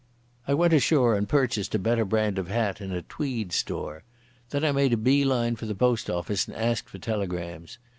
I went ashore and purchased a better brand of hat in a tweed store. Then I made a bee line for the post office, and asked for telegrams.